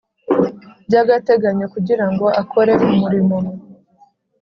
By agateganyo kugira ngo akore umurimo